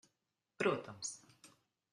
Protams.